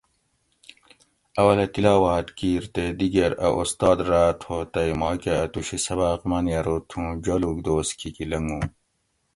اولہ تِلاواٞت کِیر تے دِگیر اٞ اُستاد راٞت ہوتئ ماکٞہ اٞتُوشی سباٞق منی ارو تھُوں جالُوگ دوس کِھیکی لنگُو